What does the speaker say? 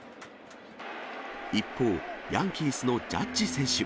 一方、ヤンキースのジャッジ選手。